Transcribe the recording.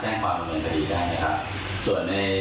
สวัสดีคุณบ้านก็สามารถฟังลองทางแม่งได้นะครับ